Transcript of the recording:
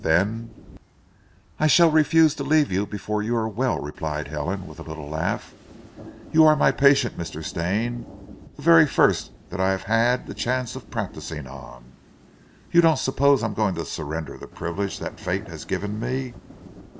"Then " "I shall refuse to leave you before you are well," replied Helen with a little laugh. "You are my patient, Mr. Stane the very first that I have had the chance of practising on; and you don't suppose I am going to surrender the privilege that fate has given me?